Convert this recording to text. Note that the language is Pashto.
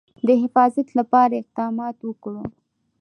د حفاظت لپاره اقدامات وکړو.